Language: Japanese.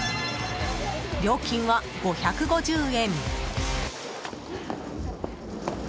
料金は５５０円。